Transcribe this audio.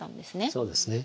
そうですね。